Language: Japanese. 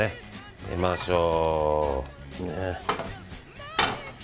入れましょう。